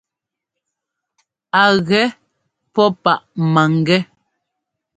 A gɛ pó páʼ máŋgɛ́.